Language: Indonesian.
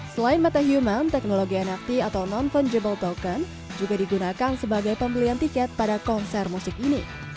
selain metahuman teknologi nft atau non fungible token juga digunakan sebagai pembelian tiket pada konser musik ini